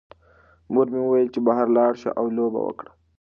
مور مې وویل چې بهر لاړ شه او لوبه وکړه.